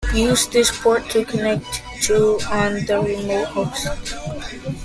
Use this port to connect to on the remote host.